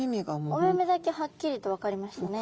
お目々だけはっきりと分かりましたね。